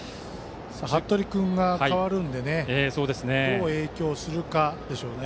服部君が代わるのでどう影響するかでしょうね。